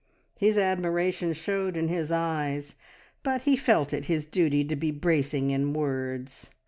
His admiration showed in his eyes, but he felt it his duty to be bracing in words.